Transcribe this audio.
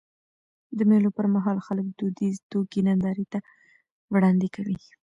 د مېلو پر مهال خلک دودیزي توکي نندارې ته وړاندي کوي.